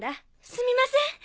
すみません。